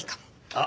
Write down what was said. あっ！